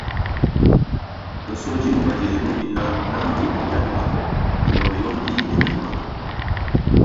Nʼsɔjo mú bajlali mundi náh : nahámoto ahitani makɔ, elɔmbɛ yɔ́ndi éjani makɔ.